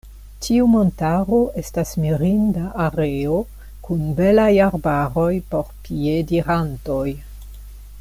Tiu montaro estas mirinda areo kun belaj arbaroj por piedirantoj.